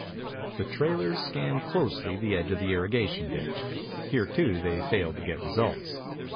The trailers scanned closely the edge of the irrigation ditch. Here, too, they failed to get results.